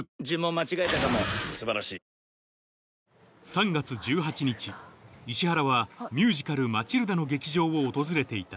３月１８日石原はミュージカル『マチルダ』の劇場を訪れていた